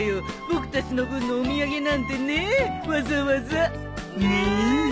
僕たちの分のお土産なんてねわざわざ。ね！